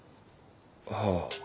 はあ。